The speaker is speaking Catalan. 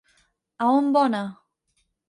A on bona?